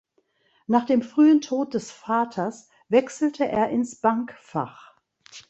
Nach dem frühen Tod des Vaters wechselte er ins Bankfach.